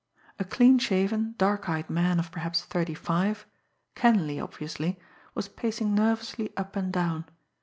A clean shaven, dark eyed man of perhaps thirty five, Kenleigh obviously, was pacing nervously up and down.